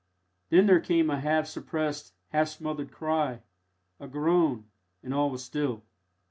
Then there came a half suppressed, half smothered cry, a groan, and all was still.